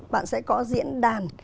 bạn sẽ có diễn đàn